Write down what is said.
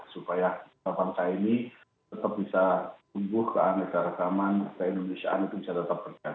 supaya bangsa ini tetap bisa tumbuh ke anegara zaman ke indonesiaan itu bisa tetap berjaga